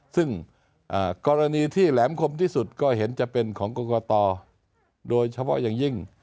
ซึ่งกรณีที่แหลมคมที่สุดก็เห็นจะเป็นของกรกตโดยเฉพาะอย่างยิ่ง